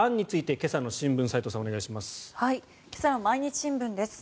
今朝の毎日新聞です。